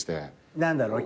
何だろうな？